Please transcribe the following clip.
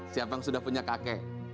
siapa yang sudah punya kakek